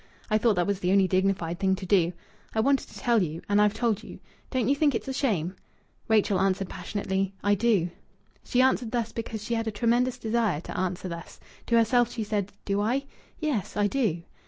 I thought that was the only dignified thing to do. I wanted to tell you, and I've told you. Don't you think it's a shame?" Rachel answered passionately "I do." She answered thus because she had a tremendous desire to answer thus. To herself she said: "Do I?... Yes, I do."